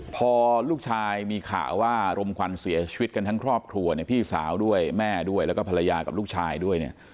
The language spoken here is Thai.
พอลูกชายมีข่าวว่ารมควันเสียชีวิตกันทั้งครอบครัวเนี่ยพี่สาวด้วยแม่ด้วยแล้วก็ภรรยากับลูกชายด้วยเนี่ย